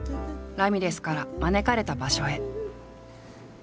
ラミレスから招かれた場所へ。